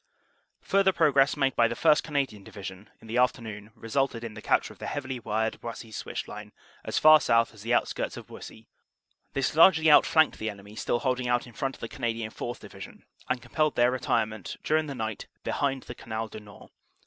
"Further progress made by the 1st. Canadian Division in the afternoon resulted in the capture of the heavily wired Buissy Switch line as far south as the outskirts of Buissy; this largely outflanked the enemy still holding out in front of the Canadian 4th. Division, and compelled their retirement dur ing the night behind the Canal du Nord.